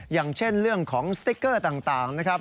อย่างเช่นเรื่องของสติ๊กเกอร์ต่างนะครับ